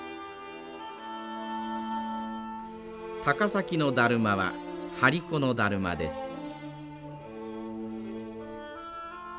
高崎のだるまは張り子のだるまです。